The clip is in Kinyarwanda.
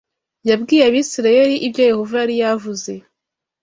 yabwiye Abisirayeli ibyo Yehova yari yavuze